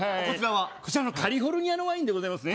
こちらはカリフォルニアのワインでございますね